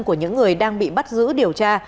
của những người đang bị bắt giữ điều tra